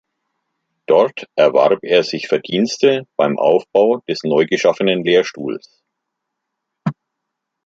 Dort erwarb er sich Verdienste beim Aufbau des neugeschaffenen Lehrstuhls.